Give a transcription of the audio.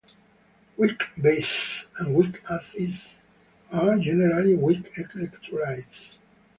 Weak bases and weak acids are generally weak electrolytes.